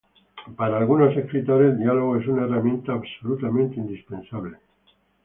Para algunos escritores, el diálogo es una herramienta absolutamente indispensable.